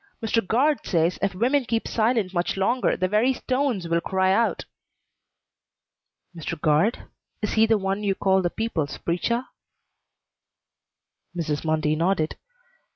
Mr. Guard says if women keep silent much longer the very stones will cry out." "Mr. Guard? Is he the one you call the people's preacher?" Mrs. Mundy nodded.